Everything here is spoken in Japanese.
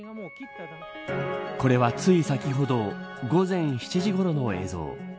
これはつい先ほど午前７次ごろの映像。